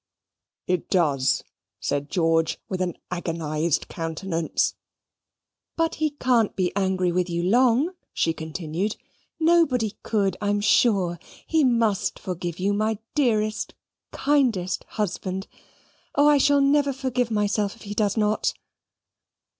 "It does," said George, with an agonised countenance. "But he can't be angry with you long," she continued. "Nobody could, I'm sure. He must forgive you, my dearest, kindest husband. O, I shall never forgive myself if he does not."